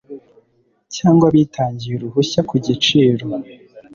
cyangwa abitangiye uruhushya ku giciro